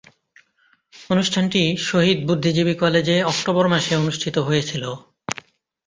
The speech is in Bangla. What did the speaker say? অনুষ্ঠানটি শহীদ বুদ্ধিজীবী কলেজে অক্টোবর মাসে অনুষ্ঠিত হয়েছিলো।